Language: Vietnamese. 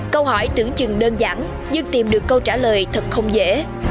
câu hỏi tưởng chừng đơn giản nhưng tìm được câu trả lời thật không dễ